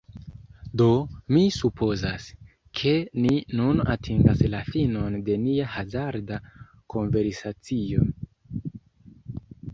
Do, mi supozas, ke ni nun atingas la finon de nia hazarda konversacio.